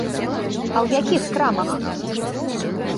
А ў якіх крамах?